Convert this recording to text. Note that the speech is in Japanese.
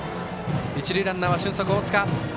一塁ランナーは俊足、大塚。